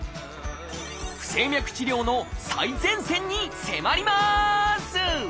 不整脈治療の最前線に迫ります！